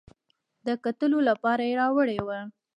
د کتلو لپاره یې راوړې وه.